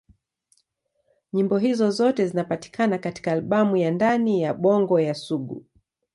Nyimbo hizo zote zinapatikana katika albamu ya Ndani ya Bongo ya Sugu.